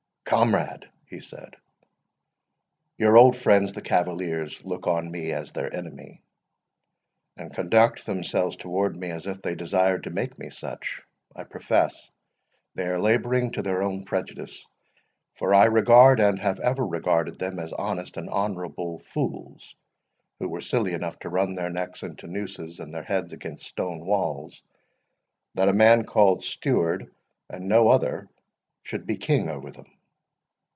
"Comrade," he said, "your old friends the cavaliers look on me as their enemy, and conduct themselves towards me as if they desired to make me such. I profess they are labouring to their own prejudice; for I regard, and have ever regarded them, as honest and honourable fools, who were silly enough to run their necks into nooses and their heads against stonewalls, that a man called Stewart, and no other, should be king over them.